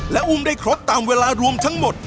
และอุ้มได้ครบตามเวลารวมทั้งหมด